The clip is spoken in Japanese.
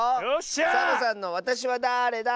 サボさんの「わたしはだーれだ？」。